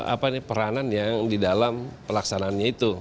apa nih peranan yang di dalam pelaksanaannya itu